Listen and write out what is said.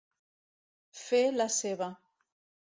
Fer la seva.